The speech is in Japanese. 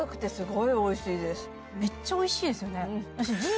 めっちゃおいしいですよね